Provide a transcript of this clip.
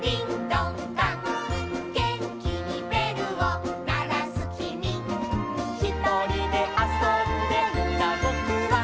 「げんきにべるをならすきみ」「ひとりであそんでいたぼくは」